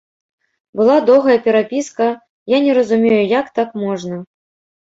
Была доўгая перапіска, я не разумею, як так можна.